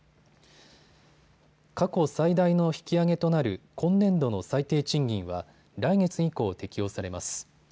過去最大の引き上げとなる今年度の最低賃金は来月以降、適用されます。